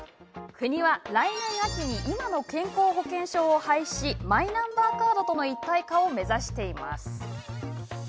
国は来年秋に今の健康保険証を廃止しマイナンバーカードとの一体化を目指しています。